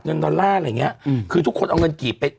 ดอลลาร์อะไรอย่างเงี้ยอืมคือทุกคนเอาเงินกี่ไป